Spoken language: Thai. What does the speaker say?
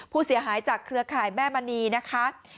ผู้เสียหายจากเครือข่ายแม่มณีนะคะ